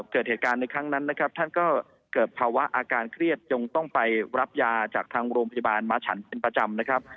เกิดเหตุการณ์ในครั้งนั้นนะครับท่านก็เกิดภาวะอาการเครียดจงต้องไปรับยาจากทางโรงพยาบาลม้าฉันเป็นประจำนะครับ